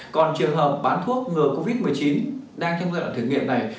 còn trường hợp bán thuốc ngừa covid một mươi chín đang trong giai đoạn thử nghiệm này